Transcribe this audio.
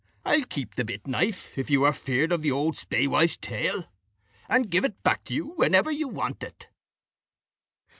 I'll keep the bit knife, if you are feared for the auld spaewife's tale, and give it back to you whenever you want it."